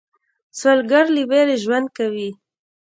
سوالګر له ویرې ژوند کوي